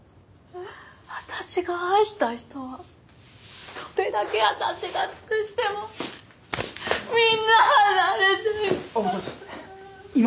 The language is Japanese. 私が愛した人はどれだけ私が尽くしてもみんな離れていった。